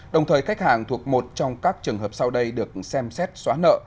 đồng thời khách hàng thuộc một trong các trường hợp sau đây được xem xét xóa nợ